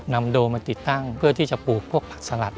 โดมาติดตั้งเพื่อที่จะปลูกพวกผักสลัด